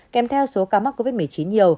kèm theo số ca mắc covid một mươi chín nhiều